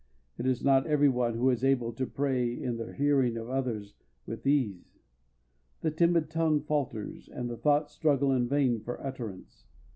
It is not every one who is able to pray in the hearing of others with ease. The timid tongue falters, and the thoughts struggle in vain for utterance.